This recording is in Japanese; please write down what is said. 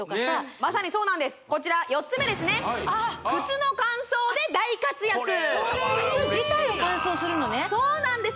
まさにそうなんですこちら４つ目ですね靴の乾燥で大活躍靴自体を乾燥するのねそうなんです